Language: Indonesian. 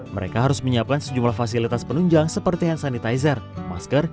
mereka harus menyiapkan sejumlah fasilitas penunjang seperti hand sanitizer masker